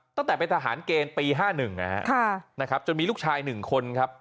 ตั้งแต่เป็นทหารเกณฑ์ปี๕๑นะครับจนมีลูกชาย๑คนครับ